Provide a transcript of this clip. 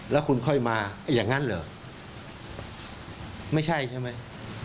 แล้วคุณค่อยมาอย่างนั้นเหรอไม่ใช่ใช่ไหม